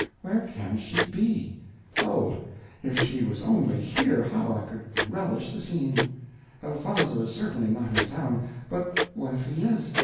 "Where can she be? Oh! if she was only here, how I could relish the scene! Elfonzo is certainly not in town; but what if he is?